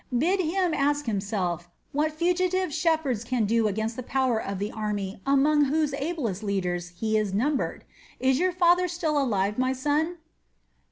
Bid him ask himself what fugitive shepherds can do against the power of the army among whose ablest leaders he is numbered. Is your father still alive, my son?"